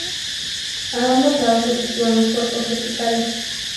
A ambos lados se sitúan los cuerpos verticales.